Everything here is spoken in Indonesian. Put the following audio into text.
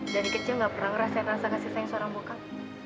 dari kecil gak pernah ngerasain rasa kasih sayang seorang bokal